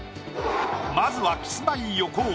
まずはキスマイ横尾。